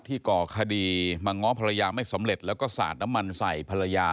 ก่อคดีมาง้อภรรยาไม่สำเร็จแล้วก็สาดน้ำมันใส่ภรรยา